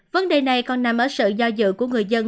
vấn đề này còn nằm ở sự do dự của người dân